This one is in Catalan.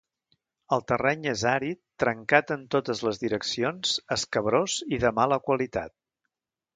El terreny és àrid, trencat en totes les direccions, escabrós i de mala qualitat.